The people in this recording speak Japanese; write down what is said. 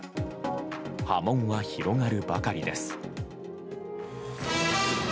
波紋は広がるばかりです。